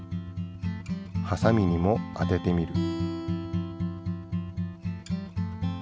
ハサミにも当ててみる。